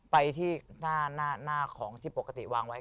ไปที่หน้าของที่ปกติวางไว้